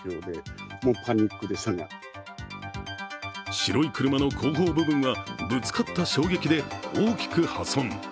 白い車の後方部分は、ぶつかった衝撃で大きく破損。